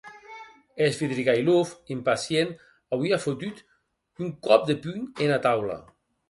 Svidrigailov, impacient, auie fotut un còp de punh ena taula.